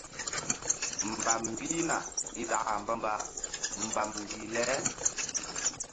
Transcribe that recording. Mbam mbihna i ɗaka mbamba mbam mbih le.